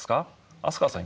飛鳥さん